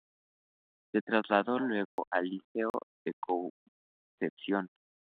Se trasladó luego al Liceo de Concepción.